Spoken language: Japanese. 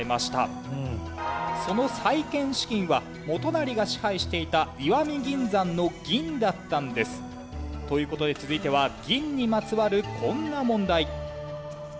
その再建資金は元就が支配していた石見銀山の銀だったんです。という事で続いては銀にまつわるこんな問題。